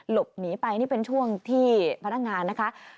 หลบหนีไปนี่เป็นช่วงที่พนักงานนะคะ